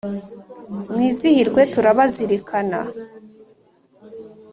Mwizihirwe turabazirikana